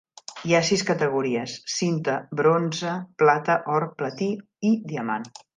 Hi ha sis categories: cinta, bronze, plata, or, platí i diamant.